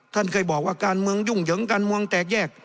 ท่านเคยบอกว่าการเมืองยุ่งเหยิงการเมืองแตกแยก